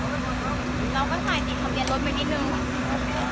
พวกมันทำแบบเปียกเรือเป็นชาวที่ความสุขที่หลังและเป็นชอบทุกอย่าง